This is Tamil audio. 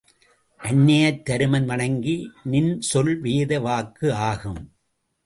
அன்னையைத் தருமன் வணங்கி நின் சொல் வேத வாக்கு ஆகும்.